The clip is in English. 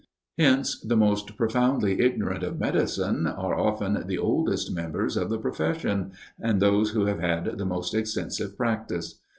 Hence the most profoundly ignorant of medicine, are often the oldest members of the profession, and those who have had the most extensive practice.